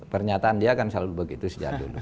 pernyataan dia kan selalu begitu sejak dulu